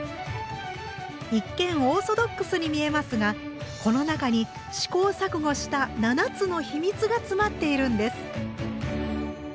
一見オーソドックスに見えますがこの中に試行錯誤した７つの秘密が詰まっているんです。